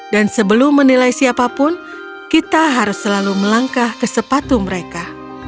dan sebelum menilai siapapun kita harus selalu melangkah ke sepatu mereka